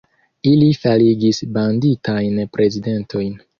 Ili faligis banditajn prezidentojn.